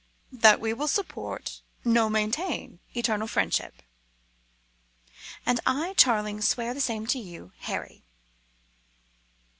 "That we will support no, maintain eternal friendship." "And I, Charling, swear the same to you, Harry."